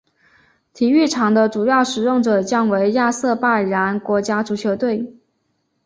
体育场的主要使用者将为亚塞拜然国家足球队。